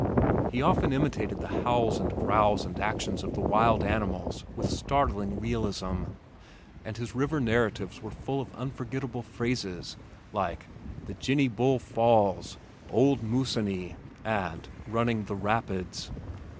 He often imitated the howls and growls and actions of the wild animals with startling realism, and his river narratives were full of unforgettable phrases like "the Jinny Bull Falls," "Old Moosinee" and "running the rapids."